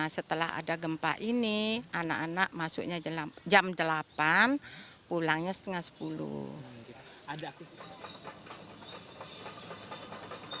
setelah ada gempa ini anak anak masuknya jam delapan pulangnya setengah sepuluh